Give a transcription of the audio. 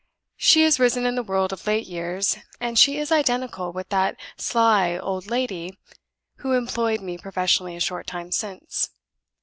She has risen in the world of late years; and she is identical with that sly old lady who employed me professionally a short time since.